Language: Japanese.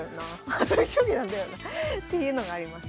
はさみ将棋なんだよなっていうのがあります。